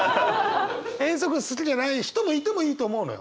遠足好きじゃない人もいてもいいと思うのよ。